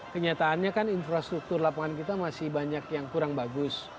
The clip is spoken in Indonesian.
kenyataannya kan infrastruktur lapangan kita masih banyak yang kurang bagus